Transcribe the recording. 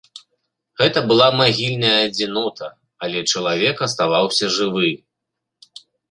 Гэта была магільная адзінота, але чалавек аставаўся жывы.